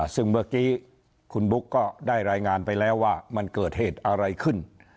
ซึ่งเมื่อกี้คุณบุ๊กก็ได้รายงานไปแล้วว่ามันเกิดเหตุอะไรขึ้น